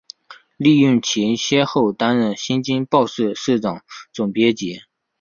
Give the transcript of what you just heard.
利用其先后担任新京报社社长、总编辑